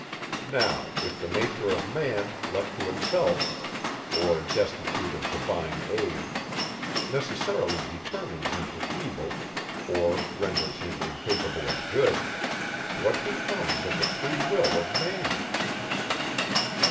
Now, if the nature of man, left to itself, or destitute of divine aid, necessarily determines him to evil, or renders him incapable of good, what becomes of the free will of man?